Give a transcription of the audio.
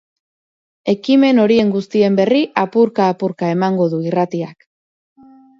Ekimen horien guztien berri apurka apurka emango du irratiak.